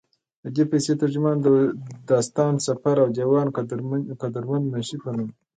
ددې پسې، ترجمان، داستان سفر او ديوان قدرمند منشي پۀ نوم